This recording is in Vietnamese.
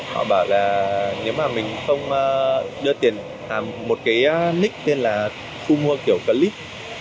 họ bảo là nếu mà mình không đưa tiền một cái nick tên là thu mua kiểu clip